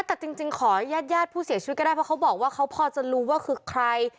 แต่จริงขออนุญาตผู้เสียชีวิตก็ได้เพราะเขาบอกว่าเขาพอจะรู้ว่าคือใคร